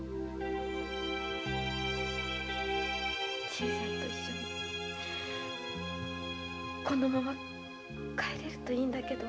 新さんと一緒にこのまま帰れるといいんだけど。